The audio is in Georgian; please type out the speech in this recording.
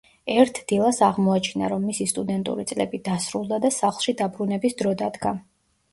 ერთ დილას აღმოაჩინა, რომ მისი სტუდენტური წლები დასრულდა და სახლში დაბრუნების დრო დადგა.